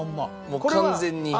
もう完全に。